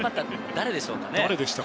誰でしょうかね。